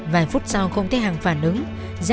vài phút sau không thấy hằng phát hiện ra